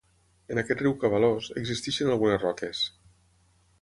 En aquest riu cabalós, existeixen algunes roques.